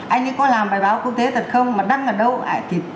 anh ấy có làm bài báo quốc tế thật không mà đăng là đâu